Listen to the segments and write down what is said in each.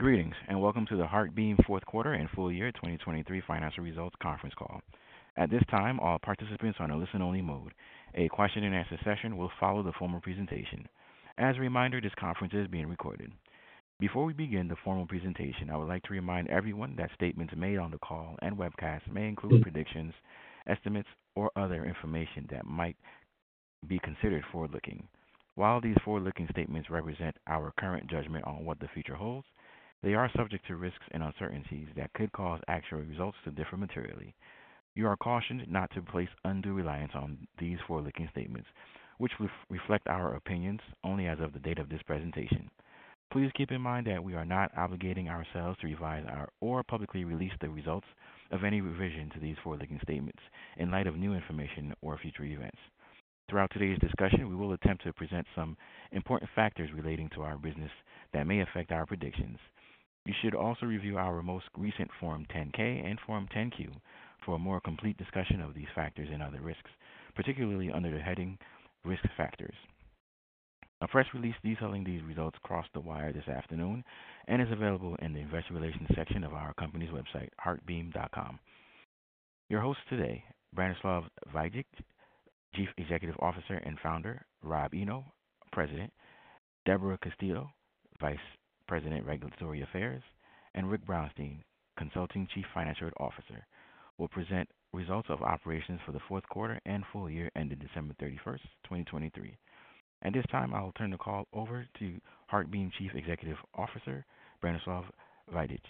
Greetings, and welcome to the HeartBeam fourth quarter and full year 2023 financial results conference call. At this time, all participants are in a listen-only mode. A question and answer session will follow the formal presentation. As a reminder, this conference is being recorded. Before we begin the formal presentation, I would like to remind everyone that statements made on the call and webcast may include predictions, estimates, or other information that might be considered forward-looking. While these forward-looking statements represent our current judgment on what the future holds, they are subject to risks and uncertainties that could cause actual results to differ materially. You are cautioned not to place undue reliance on these forward-looking statements, which reflect our opinions only as of the date of this presentation. Please keep in mind that we are not obligating ourselves to revise or publicly release the results of any revision to these forward-looking statements in light of new information or future events. Throughout today's discussion, we will attempt to present some important factors relating to our business that may affect our predictions. You should also review our most recent Form 10-K and Form 10-Q for a more complete discussion of these factors and other risks, particularly under the heading Risk Factors. A press release detailing results crossed the wire this afternoon and is available in the investor relations section of our company's website, heartbeam.com. Your hosts today, Branislav Vajdic, Chief Executive Officer and Founder, Rob Eno, President, Deborah Castillo, Vice President, Regulatory Affairs, and Rick Brounstein, Consulting Chief Financial Officer, will present results of operations for the fourth quarter and full year ending December 31st, 2023. At this time, I will turn the call over to HeartBeam Chief Executive Officer, Branislav Vajdic.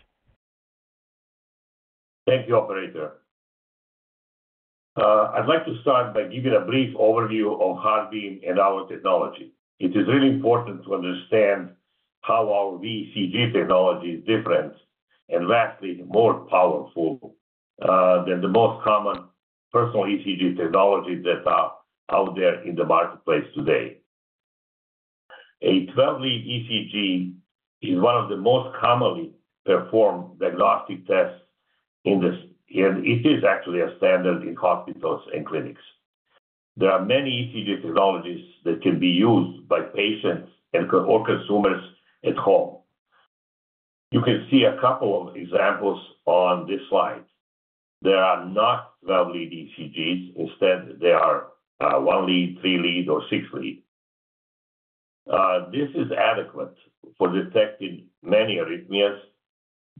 Thank you, operator. I'd like to start by giving a brief overview of HeartBeam and our technology. It is really important to understand how our VECG technology is different and vastly more powerful than the most common personal ECG technologies that are out there in the marketplace today. A 12-lead ECG is one of the most commonly performed diagnostic tests in this, and it is actually a standard in hospitals and clinics. There are many ECG technologies that can be used by patients and or consumers at home. You can see a couple of examples on this slide. They are not 12-lead ECGs. Instead, they are 1-lead, 3-lead, or 6-lead. This is adequate for detecting many arrhythmias,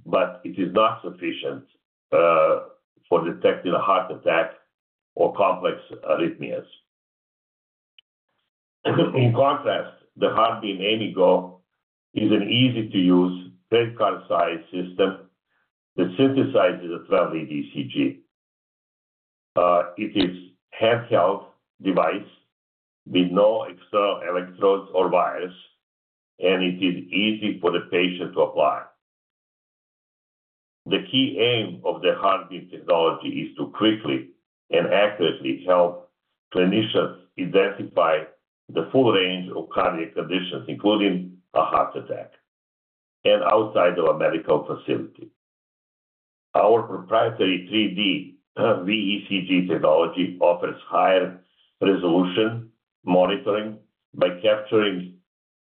but it is not sufficient for detecting a heart attack or complex arrhythmias. In contrast, the HeartBeam AIMIGo is an easy-to-use, credit card-sized system that synthesizes a 12-lead ECG. It is handheld device with no external electrodes or wires, and it is easy for the patient to apply. The key aim of the HeartBeam technology is to quickly and accurately help clinicians identify the full range of cardiac conditions, including a heart attack, and outside of a medical facility. Our proprietary 3D VECG technology offers higher resolution monitoring by capturing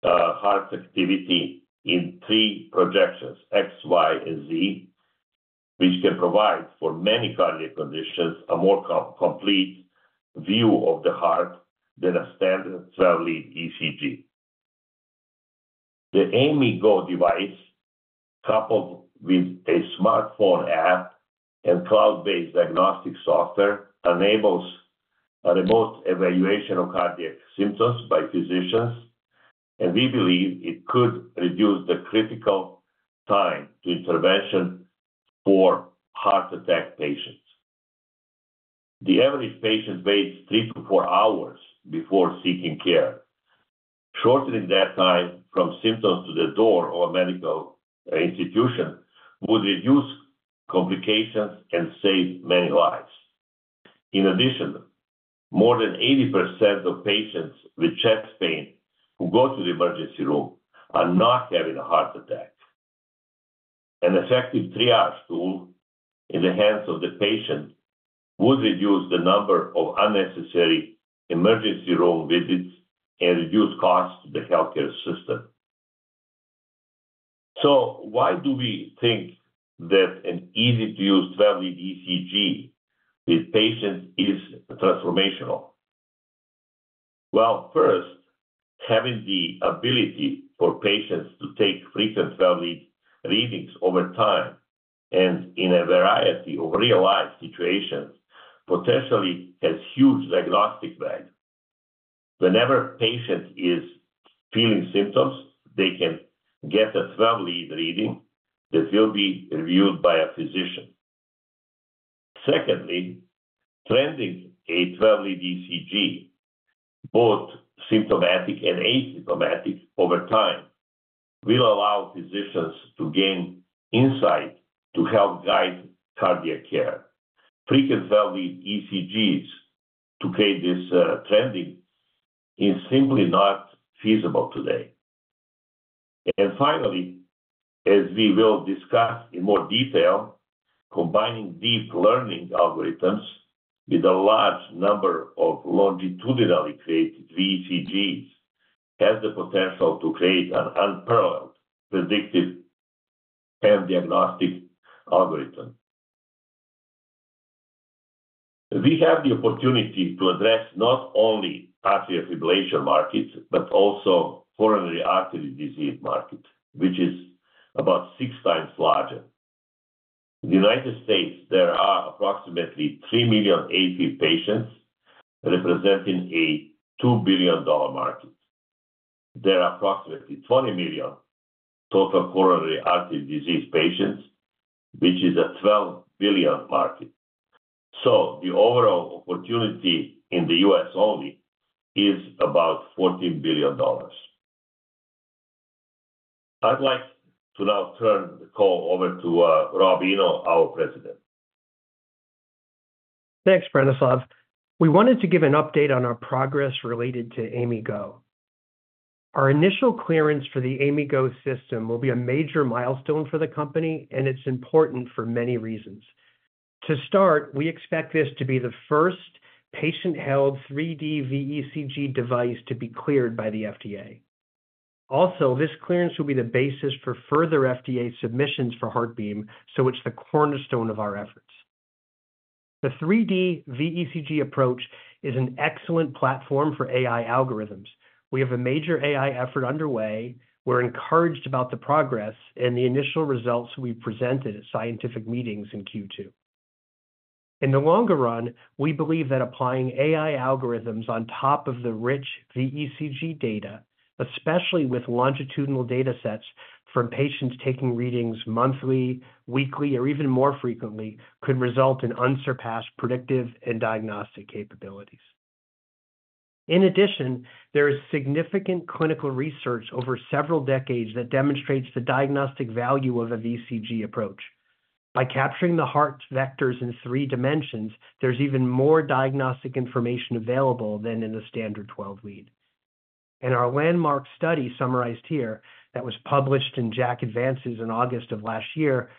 heart activity in three projections, X, Y, and Z, which can provide for many cardiac conditions, a more complete view of the heart than a standard 12-lead ECG. The AIMIGo device, coupled with a Smartphone App and Cloud-Based Diagnostic Software, enables a remote evaluation of cardiac symptoms by physicians, and we believe it could reduce the critical time to intervention for heart attack patients. The average patient waits three-four hours before seeking care. Shortening that time from symptoms to the door or medical institution would reduce complications and save many lives. In addition, more than 80% of patients with chest pain who go to the emergency room are not having a heart attack. An effective triage tool in the hands of the patient would reduce the number of unnecessary emergency room visits and reduce costs to the healthcare system. So why do we think that an easy-to-use 12-lead ECG with patients is transformational? Well, first, having the ability for patients to take frequent 12-lead readings over time and in a variety of real-life situations potentially has huge diagnostic value. Whenever a patient is feeling symptoms, they can get a 12-lead reading that will be reviewed by a physician. Secondly, trending a 12-lead ECG, both symptomatic and asymptomatic over time, will allow physicians to gain insight to help guide cardiac care. Frequent 12-lead ECGs to create this trending is simply not feasible today. And finally, as we will discuss in more detail, combining deep learning algorithms with a large number of longitudinally created VECGs, has the potential to create an unparalleled predictive and diagnostic algorithm. We have the opportunity to address not only atrial fibrillation markets, but also coronary artery disease market, which is about six times larger. In the United States, there are approximately $3 million AFib patients, representing a $2 billion market. There are approximately 20 million total coronary artery disease patients, which is a $12 billion market. So the overall opportunity in the U.S. only is about $14 billion. I'd like to now turn the call over to Rob Eno, our President. Thanks, Branislav. We wanted to give an update on our progress related to AIMIGo. Our initial clearance for the AIMIGo system will be a major milestone for the company, and it's important for many reasons. To start, we expect this to be the first patient-held 3D VECG device to be cleared by the FDA. Also, this clearance will be the basis for further FDA submissions for HeartBeam, so it's the cornerstone of our efforts. The 3D VECG approach is an excellent platform for AI algorithms. We have a major AI effort underway. We're encouraged about the progress and the initial results we presented at scientific meetings in Q2. In the longer run, we believe that applying AI algorithms on top of the rich VECG data, especially with longitudinal datasets from patients taking readings monthly, weekly, or even more frequently, could result in unsurpassed predictive and diagnostic capabilities. In addition, there is significant clinical research over several decades that demonstrates the diagnostic value of a VECG approach. By capturing the heart vectors in three dimensions, there's even more diagnostic information available than in the standard 12-lead. In our landmark study, summarized here, that was published in JACC Advances in August of last year,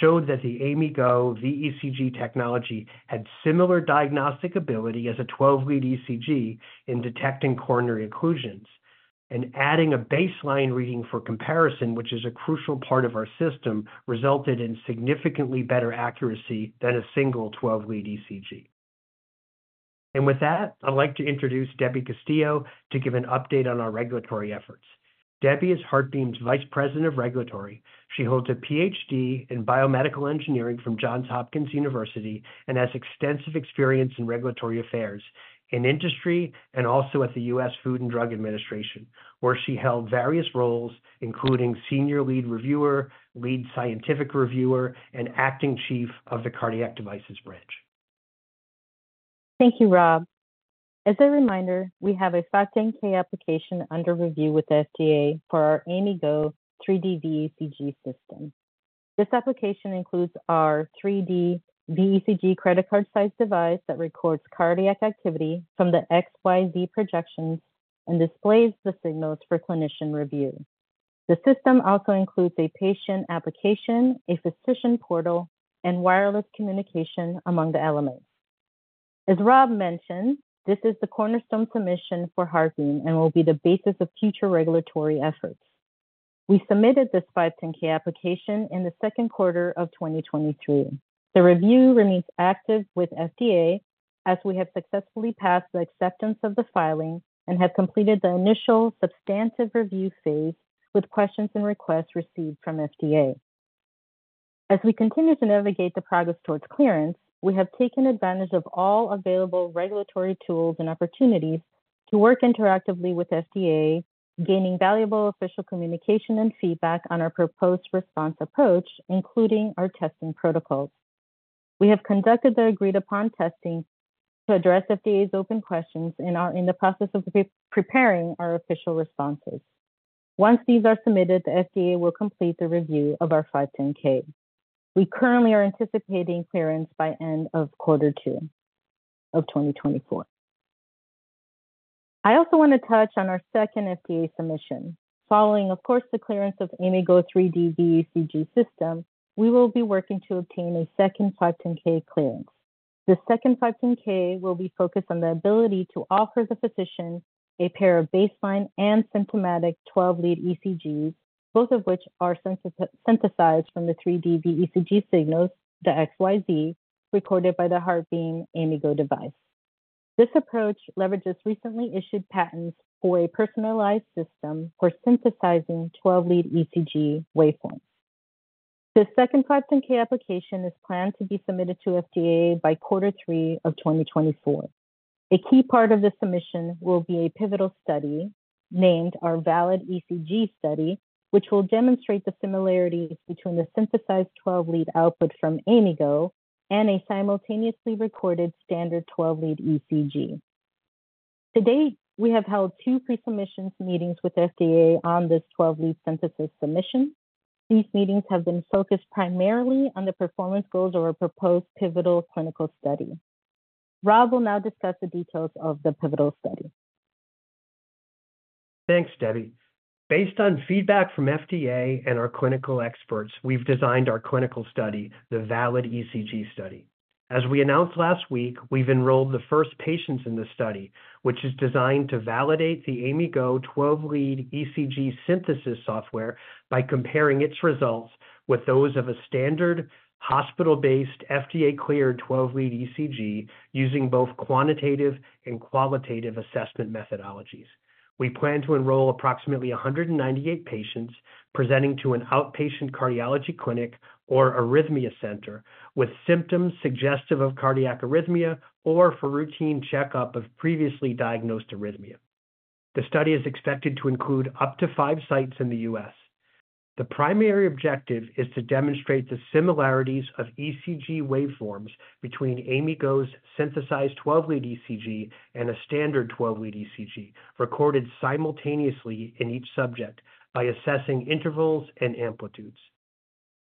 showed that the AIMIGo VECG technology had similar diagnostic ability as a 12-lead ECG in detecting coronary occlusions. And adding a baseline reading for comparison, which is a crucial part of our system, resulted in significantly better accuracy than a single 12-lead ECG. And with that, I'd like to introduce Debbie Castillo to give an update on our regulatory efforts. Debbie is HeartBeam's Vice President of Regulatory. She holds a Ph.D. in Biomedical Engineering from Johns Hopkins University, and has extensive experience in regulatory affairs, in industry, and also at the U.S. Food and Drug Administration, where she held various roles, including Senior Lead Reviewer, Lead Scientific Reviewer, and Acting Chief of the Cardiac Devices branch. Thank you, Rob. As a reminder, we have a 510(k) application under review with the FDA for our AIMIGo 3D VECG system. This application includes our 3D VECG credit card-sized device that records cardiac activity from the XYZ projections and displays the signals for clinician review. The system also includes a patient application, a physician portal, and wireless communication among the elements. As Rob mentioned, this is the cornerstone submission for HeartBeam and will be the basis of future regulatory efforts. We submitted this 510(k) application in the second quarter of 2023. The review remains active with FDA as we have successfully passed the acceptance of the filing and have completed the initial substantive review phase, with questions and requests received from FDA. As we continue to navigate the progress towards clearance, we have taken advantage of all available regulatory tools and opportunities to work interactively with FDA, gaining valuable official communication and feedback on our proposed response approach, including our testing protocols. We have conducted the agreed-upon testing to address FDA's open questions and are in the process of preparing our official responses. Once these are submitted, the FDA will complete the review of our 510(k). We currently are anticipating clearance by end of quarter two of 2024. I also want to touch on our second FDA submission. Following, of course, the clearance of AIMIGo 3D VECG system, we will be working to obtain a second 510(k) clearance. The second 510(k) will be focused on the ability to offer the physician a pair of baseline and symptomatic 12-lead ECGs, both of which are synthesized from the 3D VECG signals, the X, Y, Z, recorded by the HeartBeam AIMIGo device. This approach leverages recently issued patents for a personalized system for synthesizing 12-lead ECG waveforms. The second 510(k) application is planned to be submitted to FDA by quarter three of 2024. A key part of the submission will be a pivotal study named our VALID-ECG Study, which will demonstrate the similarities between the synthesized 12-lead output from AIMIGo and a simultaneously recorded standard 12-lead ECG. To date, we have held two pre-submission meetings with FDA on this 12-lead synthesis submission. These meetings have been focused primarily on the performance goals of our proposed pivotal clinical study. Rob will now discuss the details of the pivotal study.... Thanks, Debbie. Based on feedback from FDA and our clinical experts, we've designed our clinical study, the VALID-ECG Study. As we announced last week, we've enrolled the first patients in this study, which is designed to validate the AIMIGo 12-lead ECG synthesis software by comparing its results with those of a standard hospital-based, FDA-cleared 12-lead ECG, using both quantitative and qualitative assessment methodologies. We plan to enroll approximately 198 patients presenting to an outpatient cardiology clinic or arrhythmia center with symptoms suggestive of cardiac arrhythmia or for routine checkup of previously diagnosed arrhythmia. The study is expected to include up to 5 sites in the U.S. The primary objective is to demonstrate the similarities of ECG waveforms between AIMIGo's synthesized 12-lead ECG and a standard 12-lead ECG, recorded simultaneously in each subject by assessing intervals and amplitudes.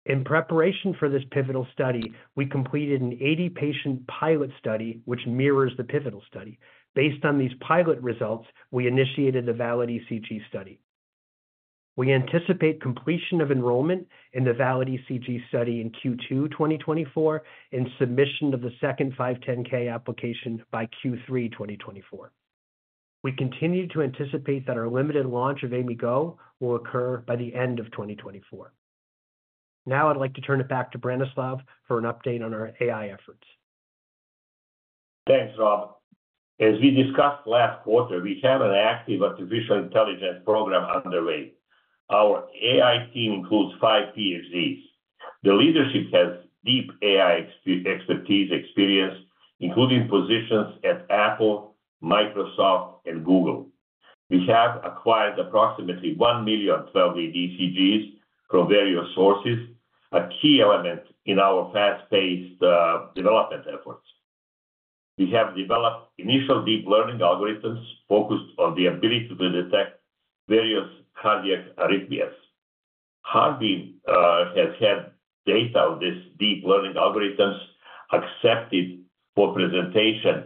In preparation for this pivotal study, we completed an 80-patient pilot study, which mirrors the pivotal study. Based on these pilot results, we initiated the VALID-ECG study. We anticipate completion of enrollment in the VALID-ECG study in Q2 2024, and submission of the second 510(k) application by Q3 2024. We continue to anticipate that our limited launch of AIMIGo will occur by the end of 2024. Now, I'd like to turn it back to Branislav for an update on our AI efforts. Thanks, Rob. As we discussed last quarter, we have an active artificial intelligence program underway. Our AI team includes five PhDs. The leadership has deep AI expertise experience, including positions at Apple, Microsoft, and Google. We have acquired approximately one million 12-lead ECGs from various sources, a key element in our fast-paced development efforts. We have developed initial deep learning algorithms focused on the ability to detect various cardiac arrhythmias. HeartBeam has had data of this deep learning algorithms accepted for presentation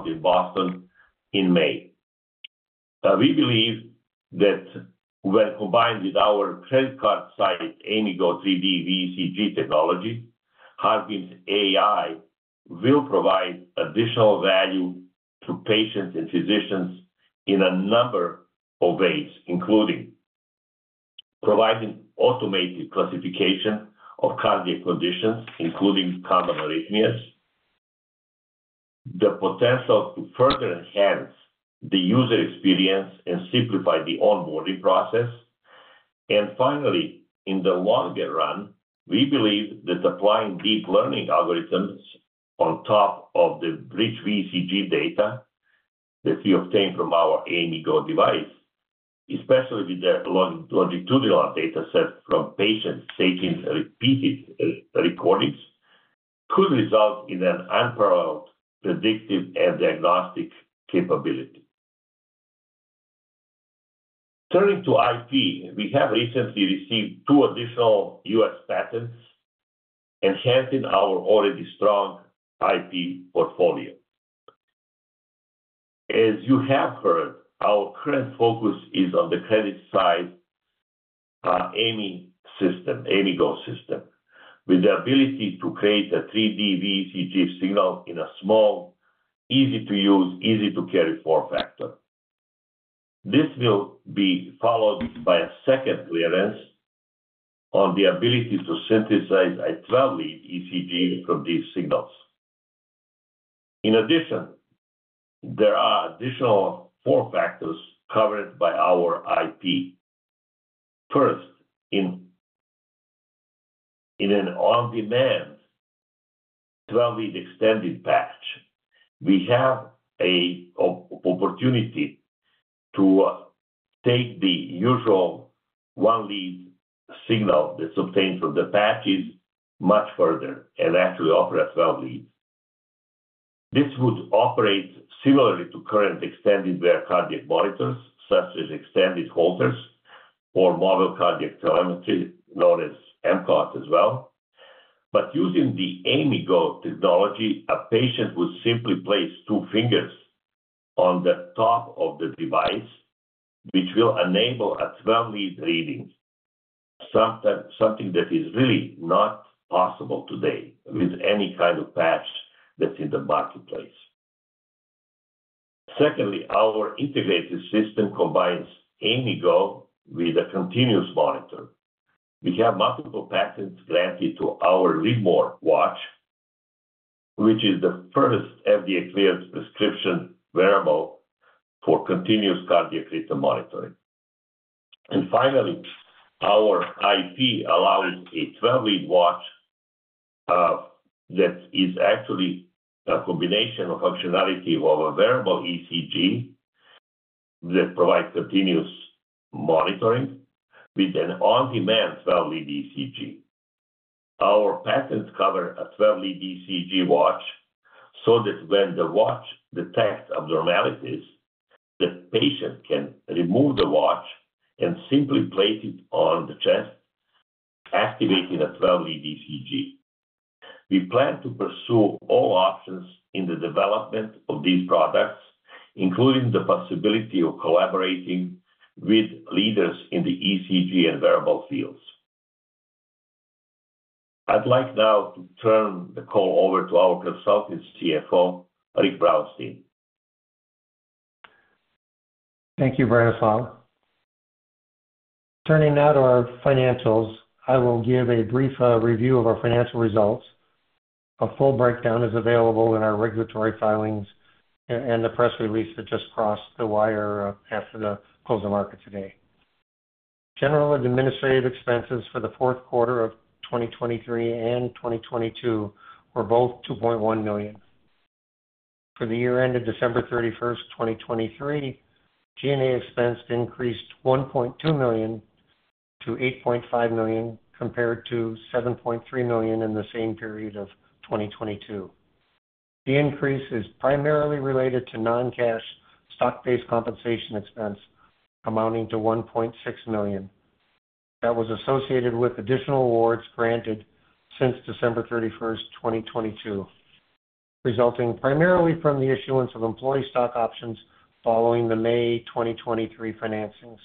out in Boston in May. We believe that when combined with our credit card-sized AIMIGo 3D VECG technology, HeartBeam's AI will provide additional value to patients and physicians in a number of ways, including providing automated classification of cardiac conditions, including common arrhythmias, the potential to further enhance the user experience, and simplify the onboarding process. And finally, in the longer run, we believe that applying deep learning algorithms on top of the rich VECG data that we obtain from our AIMIGo device, especially with the longitudinal dataset from patients taking repeated recordings, could result in an unparalleled predictive and diagnostic capability. Turning to IP, we have recently received two additional U.S. patents, enhancing our already strong IP portfolio. As you have heard, our current focus is on the credit card-sized AIMI system, AIMIGo system, with the ability to create a 3D VECG signal in a small, easy-to-use, easy-to-carry form factor. This will be followed by a second clearance on the ability to synthesize a 12-lead ECG from these signals. In addition, there are additional form factors covered by our IP. First, in an on-demand 12-lead extended patch, we have a opportunity to take the usual 1-lead signal that's obtained from the patches much further and actually offer a 12-lead. This would operate similarly to current extended wear cardiac monitors, such as extended Holters or mobile cardiac telemetry, known as MCOT as well. But using the AIMIGo technology, a patient would simply place two fingers on the top of the device, which will enable a 12-lead reading, that is really not possible today with any kind of patch that's in the marketplace. Secondly, our integrated system combines AIMIGo with a continuous monitor. We have multiple patents granted to our LIVMOR watch, which is the first FDA-cleared prescription wearable for continuous cardiac rhythm monitoring. Finally, our IP allows a 12-lead watch, that is actually a combination of functionality of a wearable ECG that provides continuous monitoring with an on-demand 12-lead ECG.... Our patents cover a 12-lead ECG watch, so that when the watch detects abnormalities, the patient can remove the watch and simply place it on the chest, activating a 12-lead ECG. We plan to pursue all options in the development of these products, including the possibility of collaborating with leaders in the ECG and wearable fields. I'd like now to turn the call over to our Consulting CFO, Rick Brounstein. Thank you, Branislav. Turning now to our financials, I will give a brief review of our financial results. A full breakdown is available in our regulatory filings and the press release that just crossed the wire after the close of market today. General administrative expenses for the fourth quarter of 2023 and 2022 were both $2.1 million. For the year ended December 31stst, 2023, G&A expense increased $1.2 million-$8.5 million, compared to $7.3 million in the same period of 2022. The increase is primarily related to non-cash stock-based compensation expense, amounting to $1.6 million. That was associated with additional awards granted since December 31stst, 2022, resulting primarily from the issuance of employee stock options following the May 2023 financings.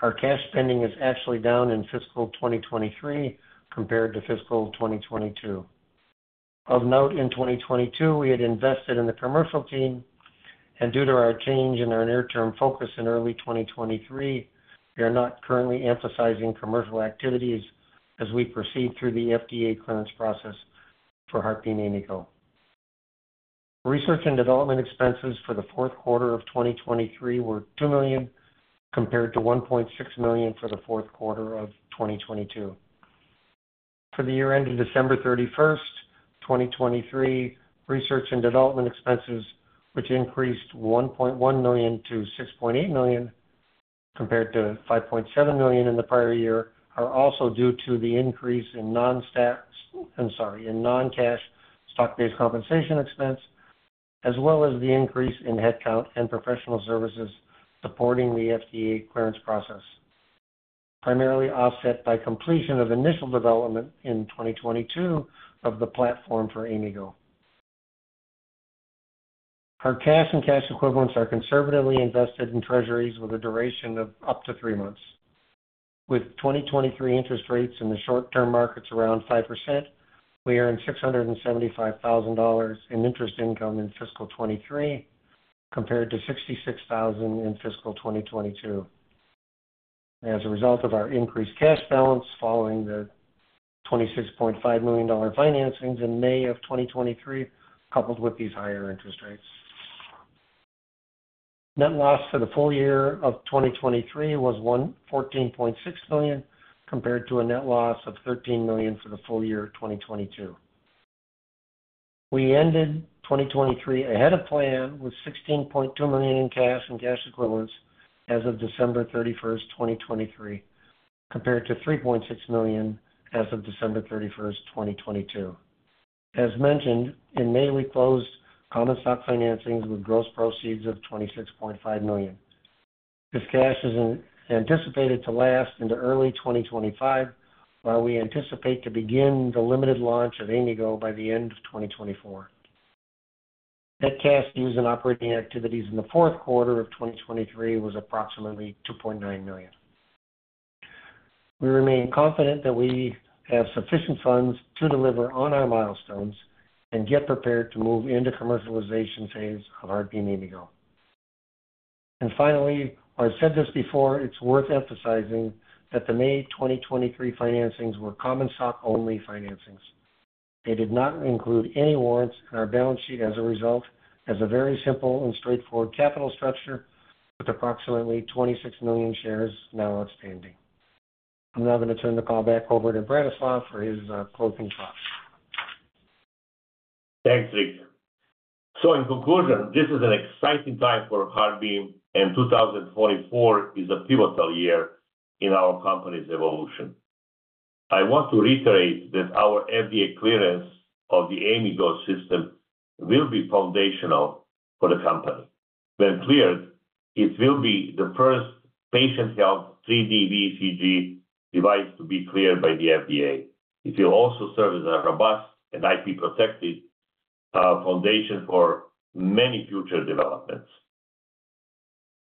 Our cash spending is actually down in fiscal 2023 compared to fiscal 2022. Of note, in 2022, we had invested in the commercial team, and due to our change in our near-term focus in early 2023, we are not currently emphasizing commercial activities as we proceed through the FDA clearance process for HeartBeam AIMIGo. Research and development expenses for the fourth quarter of 2023 were $2 million, compared to $1.6 million for the fourth quarter of 2022. For the year ended December 31st, 2023, research and development expenses, which increased $1.1 million-$6.8 million, compared to $5.7 million in the prior year, are also due to the increase in non-staff—I'm sorry, in non-cash stock-based compensation expense, as well as the increase in headcount and professional services supporting the FDA clearance process, primarily offset by completion of initial development in 2022 of the platform for AIMIGo. Our cash and cash equivalents are conservatively invested in treasuries with a duration of up to three months. With 2023 interest rates in the short-term markets around 5%, we earned $675,000 in interest income in fiscal 2023, compared to $66,000 in fiscal 2022. As a result of our increased cash balance following the $26.5 million financings in May of 2023, coupled with these higher interest rates, net loss for the full year of 2023 was $114.6 million, compared to a net loss of $13 million for the full year of 2022. We ended 2023 ahead of plan, with $16.2 million in cash and cash equivalents as of December 31st, 2023, compared to $3.6 million as of December 31st, 2022. As mentioned, in May, we closed common stock financings with gross proceeds of $26.5 million. This cash is anticipated to last into early 2025, while we anticipate to begin the limited launch of AIMIGo by the end of 2024. Net cash used in operating activities in the fourth quarter of 2023 was approximately $2.9 million. We remain confident that we have sufficient funds to deliver on our milestones and get prepared to move into commercialization phase of HeartBeam AIMIGo. And finally, I've said this before, it's worth emphasizing that the May 2023 financings were common stock-only financings. They did not include any warrants, and our balance sheet, as a result, has a very simple and straightforward capital structure with approximately 26 million shares now outstanding. I'm now going to turn the call back over to Branislav for his closing thoughts. Thanks, Rick. So in conclusion, this is an exciting time for HeartBeam, and 2024 is a pivotal year in our company's evolution. I want to reiterate that our FDA clearance of the AIMIGo system will be foundational for the company. When cleared, it will be the first patient health 3D ECG device to be cleared by the FDA. It will also serve as a robust and IP-protected foundation for many future developments.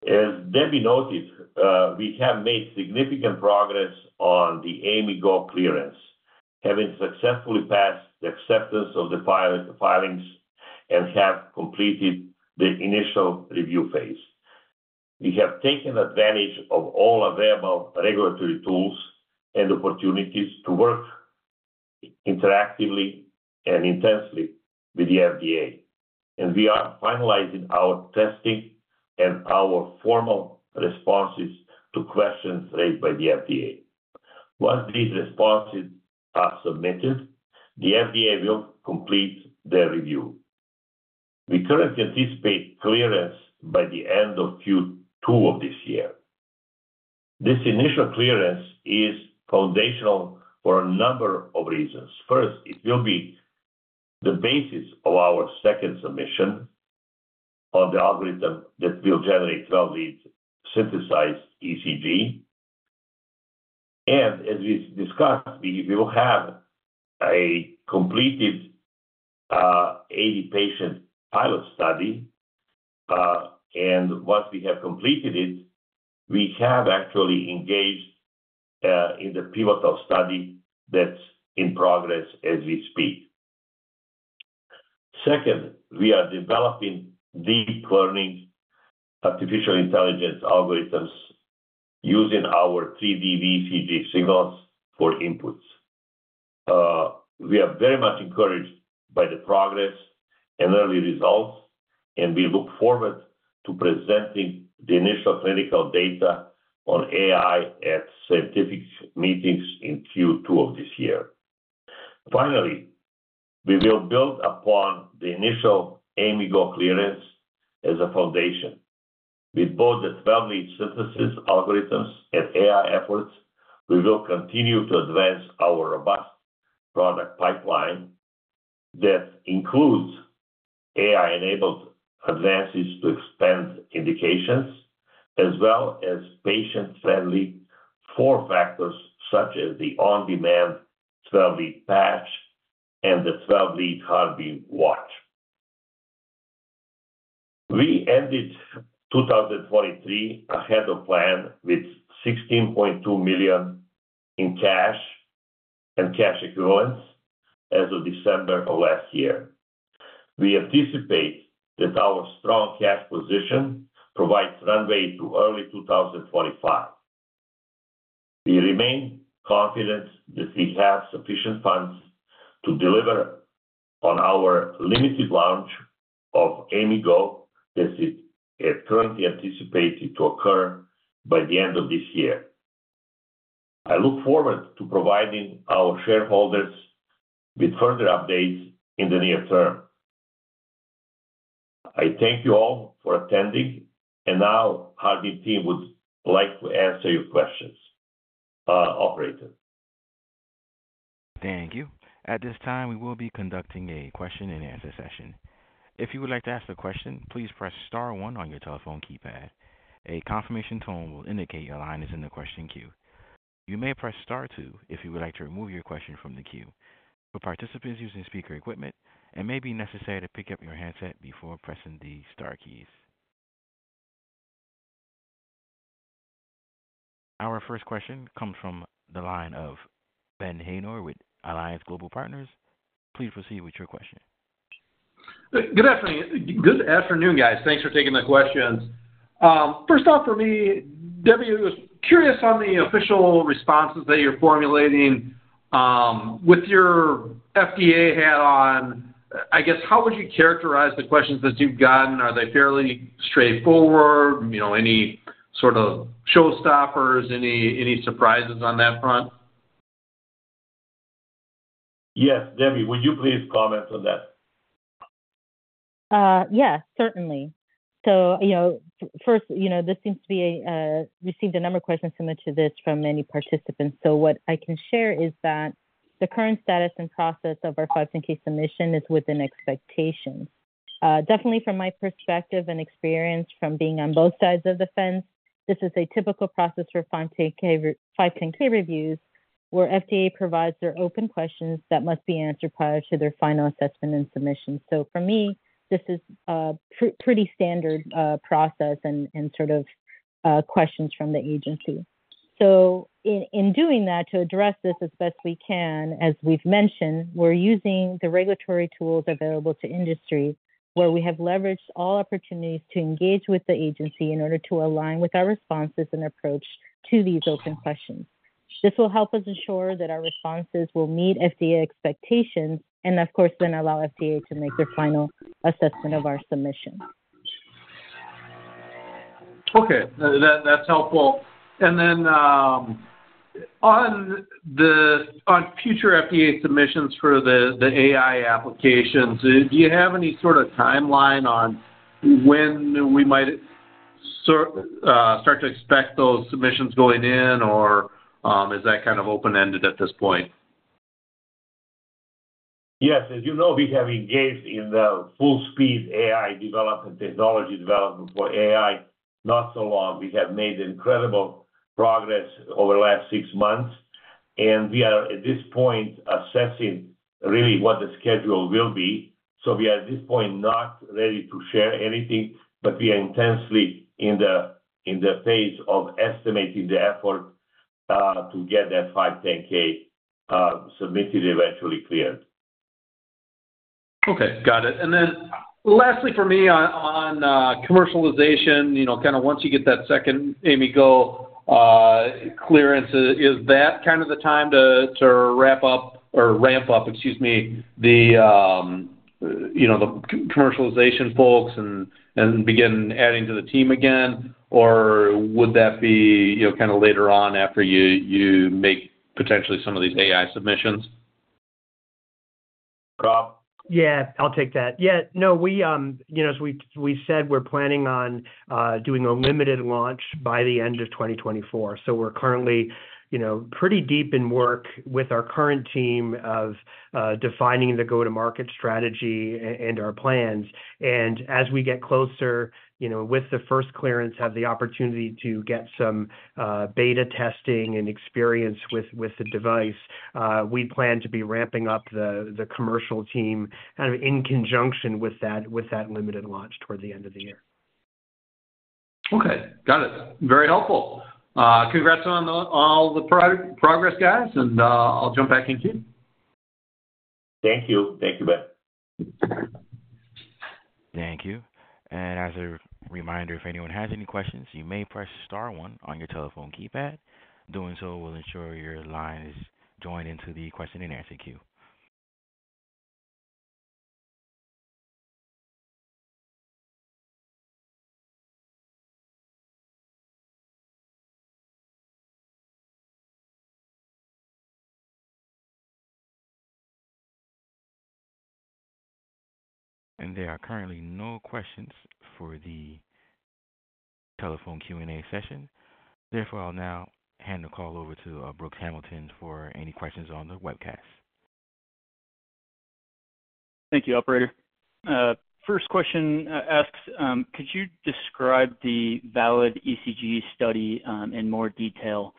As Debbie noted, we have made significant progress on the AIMIGo clearance, having successfully passed the acceptance of the filings, and have completed the initial review phase. We have taken advantage of all available regulatory tools and opportunities to work interactively and intensely with the FDA, and we are finalizing our testing and our formal responses to questions raised by the FDA. Once these responses are submitted, the FDA will complete their review. We currently anticipate clearance by the end of Q2 of this year. This initial clearance is foundational for a number of reasons. First, it will be the basis of our second submission on the algorithm that will generate 12-lead synthesized ECG. And as we've discussed, we will have a completed, 80-patient pilot study. And once we have completed it, we have actually engaged in the pivotal study that's in progress as we speak. Second, we are developing deep learning artificial intelligence algorithms using our 3D ECG signals for inputs. We are very much encouraged by the progress and early results, and we look forward to presenting the initial clinical data on AI at scientific meetings in Q2 of this year. Finally, we will build upon the initial AIMIGo clearance as a foundation. With both the 12-lead synthesis algorithms and AI efforts, we will continue to advance our robust product pipeline that includes AI-enabled advances to expand indications, as well as patient-friendly form factors, such as the on-demand 12-lead patch and the 12-lead HeartBeam watch. We ended 2023 ahead of plan with $16.2 million in cash and cash equivalents as of December of last year. We anticipate that our strong cash position provides runway to early 2025. We remain confident that we have sufficient funds to deliver on our limited launch of AIMIGo, as it is currently anticipated to occur by the end of this year. I look forward to providing our shareholders with further updates in the near term. I thank you all for attending, and now HeartBeam team would like to answer your questions. operator? Thank you. At this time, we will be conducting a question-and-answer session. If you would like to ask a question, please press star one on your telephone keypad. A confirmation tone will indicate your line is in the question queue. You may press star two if you would like to remove your question from the queue. For participants using speaker equipment, it may be necessary to pick up your handset before pressing the star keys. Our first question comes from the line of Ben Haynor with Alliance Global Partners. Please proceed with your question. Good afternoon. Good afternoon, guys. Thanks for taking the questions. First off, for me, Debbie, was curious on the official responses that you're formulating. With your FDA hat on, I guess, how would you characterize the questions that you've gotten? Are they fairly straightforward? You know, any sort of showstoppers, any surprises on that front? Yes. Debbie, would you please comment on that? Yeah, certainly. So, you know, first, you know, we've received a number of questions similar to this from many participants. So what I can share is that the current status and process of our 510(k) submission is within expectations. Definitely from my perspective and experience from being on both sides of the fence, this is a typical process for 510(k) reviews, where FDA provides their open questions that must be answered prior to their final assessment and submission. So for me, this is a pretty standard process and sort of questions from the agency. So in doing that, to address this as best we can, as we've mentioned, we're using the regulatory tools available to industry, where we have leveraged all opportunities to engage with the agency in order to align with our responses and approach to these open questions. This will help us ensure that our responses will meet FDA expectations, and of course, then allow FDA to make their final assessment of our submission. Okay, that's helpful. And then, on future FDA submissions for the AI applications, do you have any sort of timeline on when we might start to expect those submissions going in, or is that kind of open-ended at this point? Yes. As you know, we have engaged in the full speed AI development, technology development for AI, not so long. We have made incredible progress over the last six months, and we are, at this point, assessing really what the schedule will be. So we are, at this point, not ready to share anything, but we are intensely in the, in the phase of estimating the effort to get that 510(k) submitted, eventually cleared. Okay, got it. And then lastly for me on commercialization, you know, kinda once you get that second AIMIGo clearance, is that kind of the time to wrap up or ramp up, excuse me, the, you know, the commercialization folks and begin adding to the team again? Or would that be, you know, kind of later on after you make potentially some of these AI submissions?... Rob? Yeah, I'll take that. Yeah, no, we, you know, as we said, we're planning on doing a limited launch by the end of 2024. So we're currently, you know, pretty deep in work with our current team of defining the go-to-market strategy and our plans. And as we get closer, you know, with the first clearance, have the opportunity to get some beta testing and experience with the device, we plan to be ramping up the commercial team kind of in conjunction with that, with that limited launch toward the end of the year. Okay, got it. Very helpful. Congrats on all the progress, guys, and I'll jump back in queue. Thank you. Thank you, Ben. Thank you. As a reminder, if anyone has any questions, you may press star one on your telephone keypad. Doing so will ensure your line is joined into the question and answer queue. There are currently no questions for the telephone Q&A session. Therefore, I'll now hand the call over to Brooks Hamilton for any questions on the webcast. Thank you, operator. First question asks, could you describe the VALID-ECG Study in more detail,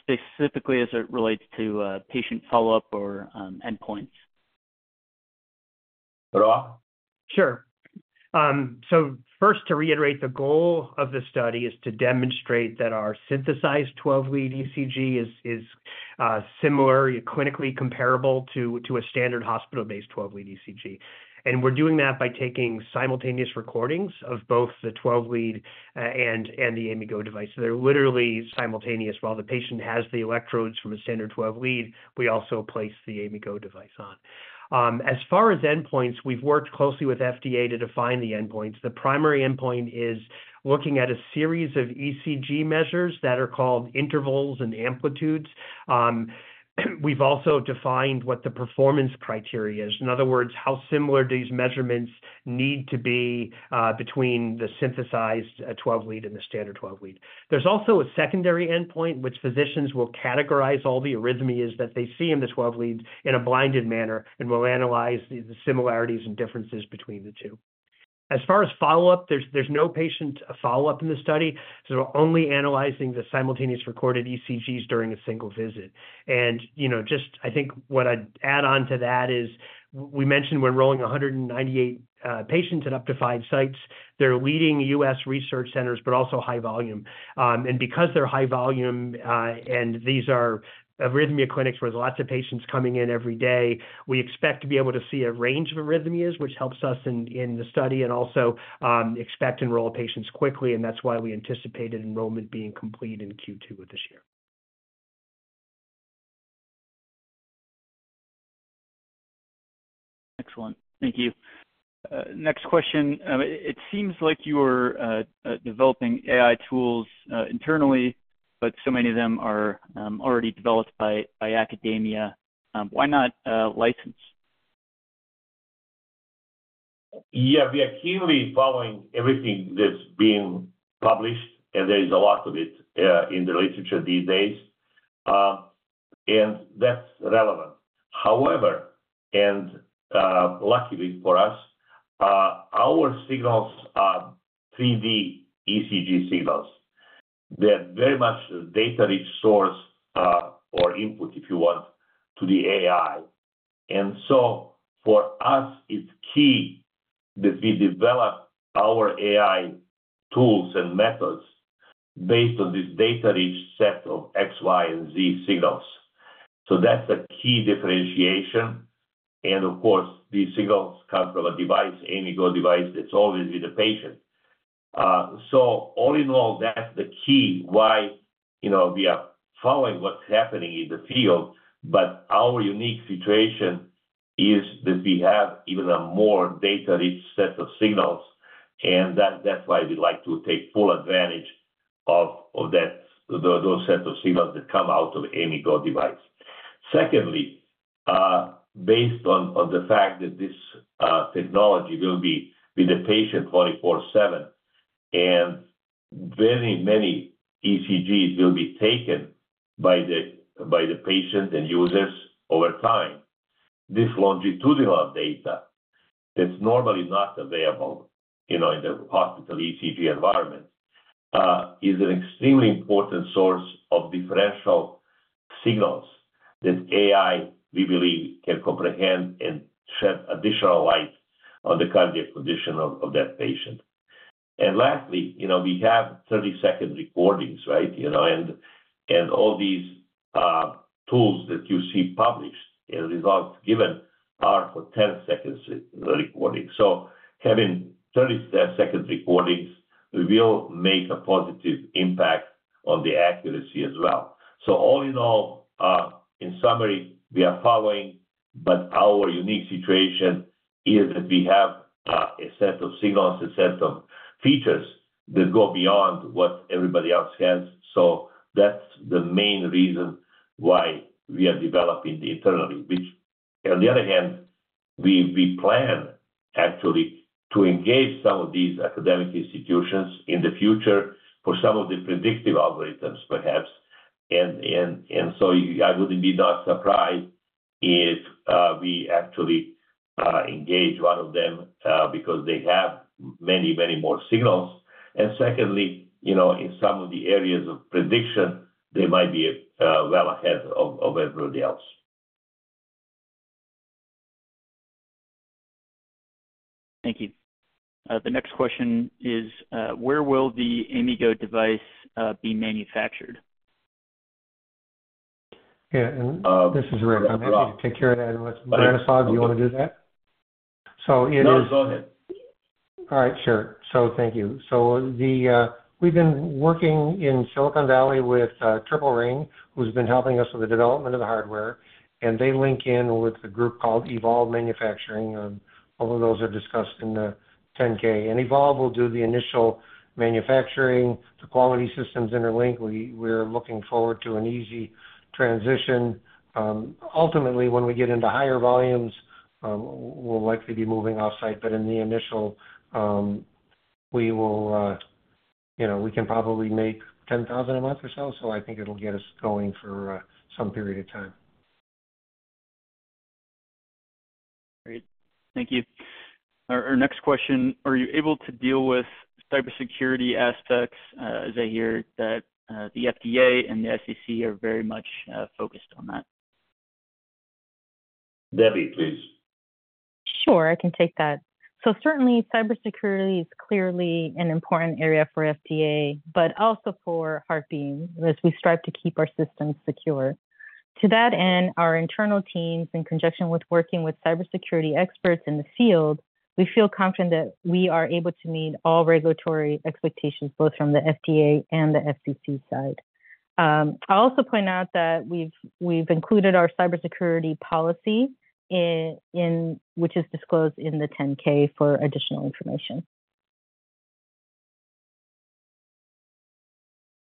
specifically as it relates to patient follow-up or endpoints? Rob? Sure. So first, to reiterate, the goal of the study is to demonstrate that our synthesized 12-lead ECG is similar, clinically comparable to a standard hospital-based 12-lead ECG. And we're doing that by taking simultaneous recordings of both the 12-lead and the AIMIGo device. They're literally simultaneous. While the patient has the electrodes from a standard 12-lead, we also place the AIMIGo device on. As far as endpoints, we've worked closely with FDA to define the endpoints. The primary endpoint is looking at a series of ECG measures that are called intervals and amplitudes. We've also defined what the performance criteria is. In other words, how similar these measurements need to be between the synthesized 12-lead and the standard 12-lead. There's also a secondary endpoint, which physicians will categorize all the arrhythmias that they see in the 12-leads in a blinded manner, and we'll analyze the similarities and differences between the two. As far as follow-up, there's no patient follow-up in the study, so we're only analyzing the simultaneous recorded ECGs during a single visit. And, you know, just I think what I'd add on to that is, we mentioned we're enrolling 198 patients at up to sites. They're leading U.S. research centers, but also high volume. Because they're high volume, and these are Arrhythmia clinics with lots of patients coming in every day, we expect to be able to see a range of arrhythmias, which helps us in the study and also expect to enroll patients quickly, and that's why we anticipated enrollment being complete in Q2 of this year. Excellent. Thank you. Next question. It seems like you're developing AI tools internally, but so many of them are already developed by academia. Why not license? Yeah, we are keenly following everything that's been published, and there is a lot of it, in the literature these days, and that's relevant. However, and, luckily for us, our signals are 3D ECG signals. They're very much a data-rich source, or input, if you want, to the AI. And so for us, it's key that we develop our AI tools and methods based on this data-rich set of X, Y, and Z signals. So that's a key differentiation, and of course, these signals come from a device, AIMIGo device, that's always with the patient. So all in all, that's the key why, you know, we are following what's happening in the field, but our unique situation is that we have even a more data-rich set of signals, and that-that's why we like to take full advantage of, of that, those set of signals that come out of AIMIGo device. Secondly, based on, on the fact that this, technology will be with the patient 24/7, and very many ECGs will be taken by the, by the patient and users over time. This longitudinal data that's normally not available, you know, in the hospital ECG environment, is an extremely important source of differential signals that AI, we believe, can comprehend and shed additional light on the cardiac condition of, of that patient. And lastly, you know, we have 30-second recordings, right? You know, and all these tools that you see published and results given are for 10 seconds recordings. So having 30 seconds recordings will make a positive impact on the accuracy as well. So all in all, in summary, we are following, but our unique situation is that we have a set of signals, a set of features that go beyond what everybody else has. So that's the main reason why we are developing it internally. Which, on the other hand, we plan actually to engage some of these academic institutions in the future for some of the predictive algorithms, perhaps. And so I wouldn't be not surprised if we actually engage one of them, because they have many, many more signals. Secondly, you know, in some of the areas of prediction, they might be well ahead of everybody else. Thank you. The next question is, where will the AIMIGo device be manufactured? Yeah, and this is Rick. I'm happy to take care of that unless, Branislav, do you want to do that? So it is- No, go ahead. All right, sure. So thank you. So the, we've been working in Silicon Valley with, Triple Ring, who's been helping us with the development of the hardware, and they link in with a group called Evolve Manufacturing. All of those are discussed in the 10-K. And Evolve will do the initial manufacturing. The quality systems interlink. We're looking forward to an easy transition. Ultimately, when we get into higher volumes, we'll likely be moving off-site, but in the initial, we will, you know, we can probably make 10,000 a month or so. So I think it'll get us going for some period of time. Great, thank you. Our next question: Are you able to deal with cybersecurity aspects? As I hear that, the FDA and the SEC are very much focused on that. Debbie, please. Sure, I can take that. So certainly, cybersecurity is clearly an important area for FDA, but also for HeartBeam, as we strive to keep our systems secure. To that end, our internal teams, in conjunction with working with cybersecurity experts in the field, we feel confident that we are able to meet all regulatory expectations, both from the FDA and the FTC side. I'll also point out that we've included our cybersecurity policy in, which is disclosed in the 10-K for additional information.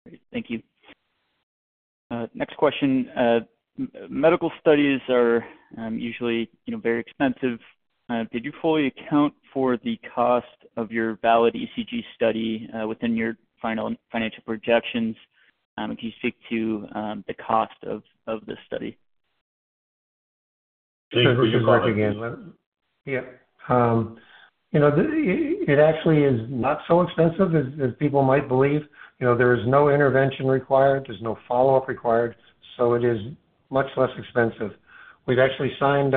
Great. Thank you. Next question. Medical studies are, usually, you know, very expensive. Did you fully account for the cost of your VALID-ECG study, within your final financial projections? Can you speak to, the cost of, of this study? Thank you. Sure. This is Rick again. Yeah. You know, the, it actually is not so expensive as people might believe. You know, there is no intervention required, there's no follow-up required, so it is much less expensive. We've actually signed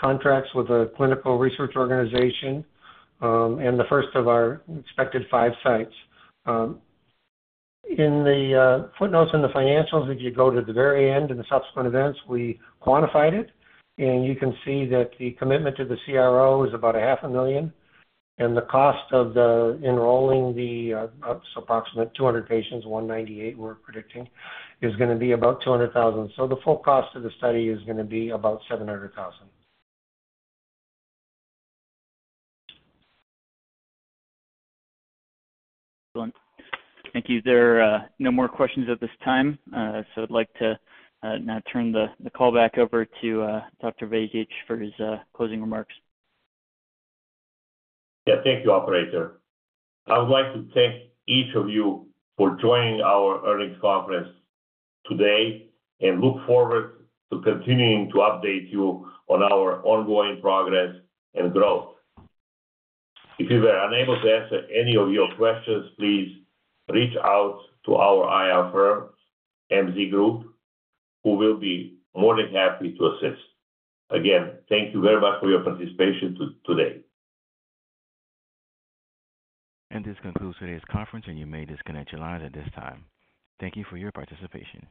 contracts with a clinical research organization, and the first of our expected five sites. In the footnotes and the financials, if you go to the very end, in the subsequent events, we quantified it, and you can see that the commitment to the CRO is about $500,000, and the cost of enrolling the, so approximate 200 patients, 198, we're predicting, is gonna be about $200,000. So the full cost of the study is gonna be about $700,000. Excellent. Thank you. There are no more questions at this time. So I'd like to now turn the call back over to Dr. Vajdic for his closing remarks. Yeah, thank you, operator. I would like to thank each of you for joining our earnings conference today and look forward to continuing to update you on our ongoing progress and growth. If we were unable to answer any of your questions, please reach out to our IR firm, MZ Group, who will be more than happy to assist. Again, thank you very much for your participation today. This concludes today's conference, and you may disconnect your lines at this time. Thank you for your participation.